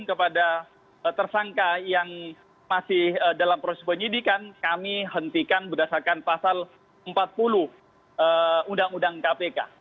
kepada tersangka yang masih dalam proses penyidikan kami hentikan berdasarkan pasal empat puluh undang undang kpk